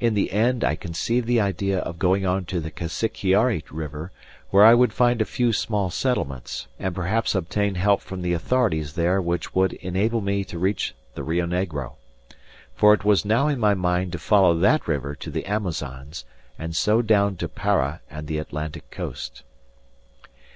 In the end I conceived the idea of going on to the Casiquiare river, where I would find a few small settlements, and perhaps obtain help from the authorities there which would enable me to reach the Rio Negro. For it was now in my mind to follow that river to the Amazons, and so down to Para and the Atlantic coast.